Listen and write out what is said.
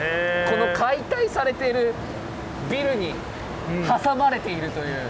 この解体されてるビルに挟まれているという。